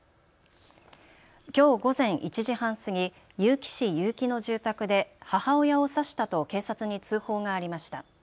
きょう午前１時半過ぎ、結城市結城の住宅で母親を刺したと警察に通報がありました。